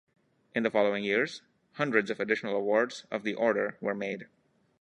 In the following years hundreds of additional awards of the Order were made.